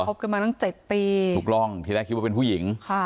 บกันมาตั้ง๗ปีถูกร่องที่แรกคิดว่าเป็นผู้หญิงค่ะ